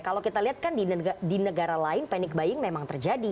kalau kita lihat kan di negara lain panic buying memang terjadi